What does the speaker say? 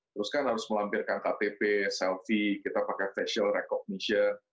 terus kan harus melampirkan ktp selfie kita pakai facial recognition